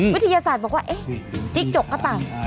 วิทยาศาสตร์บอกว่าเอ๊ะจิ๊กจกหรือเปล่า